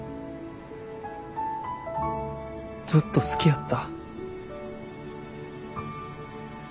ずっと好きやった。